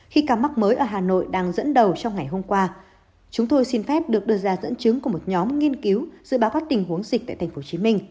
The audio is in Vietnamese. khi ca mắc mới ở hà nội đang dẫn đầu trong ngày hôm qua chúng tôi xin phép được đưa ra dẫn chứng của một nhóm nghiên cứu dự báo các tình huống dịch tại tp hcm